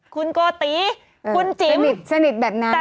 คุณโกติคุณจิ๋มิตสนิทแบบนั้น